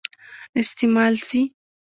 استعمال سي.